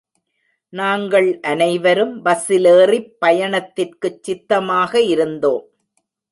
நாங்கள் அனைவரும் பஸ்ஸிலேறிப் பயணத்திற்குச் சித்தமாக இருந்தோம்.